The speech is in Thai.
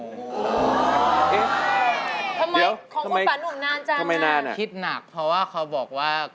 เฮ่ยเดี๋ยวทำไมทำไมคิดหนักเพราะว่าเขาบอกว่า